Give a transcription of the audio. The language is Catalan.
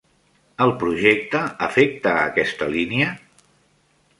El projecte afecta a aquesta línia?